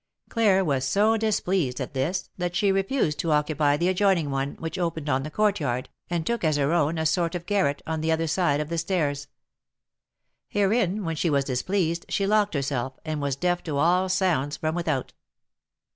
Claire was so displeased at this, that she refused to occupy the adjoining one, which opened on the court yard, and took as her own, a sort of garret, on the other side of the stairs. Herein, when she was displeased, she locked herself, and was deaf to all sounds from without.